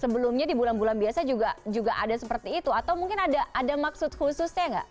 sebelumnya di bulan bulan biasa juga ada seperti itu atau mungkin ada maksud khususnya nggak